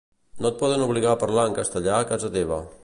No et poden obligar a parlar en castellà a casa teva.